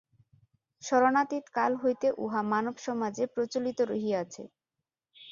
স্মরণাতীত কাল হইতে উহা মানবসমাজে প্রচলিত রহিয়াছে।